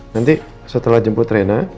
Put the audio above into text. nanti setelah jemput rena